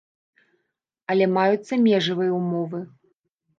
Але маюцца межавыя ўмовы.